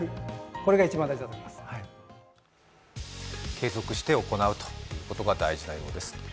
継続して行うことが大事なようです。